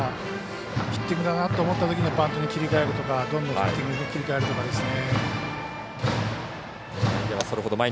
ヒッティングだなと思ったときにバントに切り替えるとかどんどんヒッティングに切り替えるとかですね。